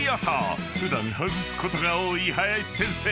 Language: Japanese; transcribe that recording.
［普段外すことが多い林先生］